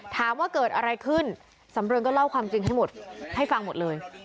ถามว่าเกิดอะไรขึ้นสำเริงก็เล่าความจริงให้หมดให้ฟังหมดเลย